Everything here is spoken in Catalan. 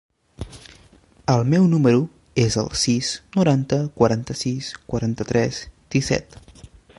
El meu número es el sis, noranta, quaranta-sis, quaranta-tres, disset.